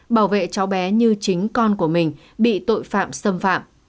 bảo vệ cháu bé như chính con của mình bị tội phạm xâm phạm